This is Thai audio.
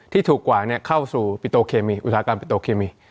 ที่ถูกกว่าเนี่ยเข้าสู่อุติธิการปิโปรเคมี